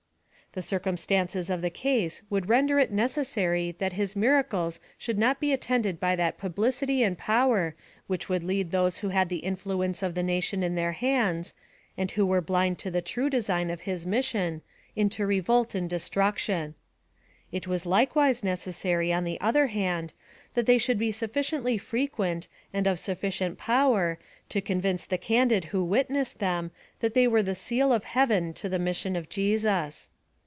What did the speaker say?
The circumstances of the case would render it necessary that his mu'acles should not be attended by that publicity and power which would lead those who had the influence of the nation in their hands, and who were blind to the true design of his mission, into revolt and destruction. It was likewise necessary, on the other hand, that they should be sufficiently frequent, and of sufficient power, to convince the candid who witnessed them, that they were the seal of heaven to the mission of Jesus.